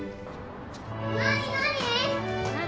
何？